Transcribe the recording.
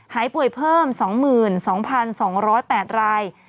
หายป่วยเพิ่ม๒๒๒๐๘ราย